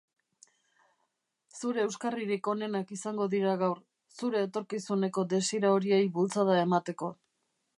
Zure euskarririk onenak izango dira gaur, zure etorkizuneko desira horiei bultzada emateko.